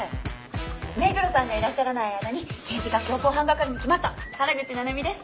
目黒さんがいらっしゃらない間に刑事課強行犯係に来ました原口奈々美です。